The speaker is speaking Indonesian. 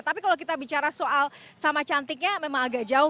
tapi kalau kita bicara soal sama cantiknya memang agak jauh